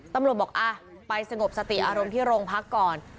ตำรวจบอกไปสงบสติอารมณ์ที่โรงพักก่อน